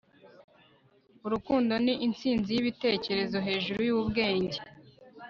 urukundo ni intsinzi y'ibitekerezo hejuru y'ubwenge